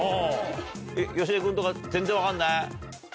芳根君とか全然分かんない？